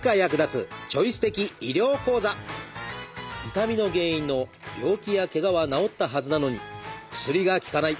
痛みの原因の病気やけがは治ったはずなのに薬が効かない！